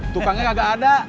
tukangnya gak ada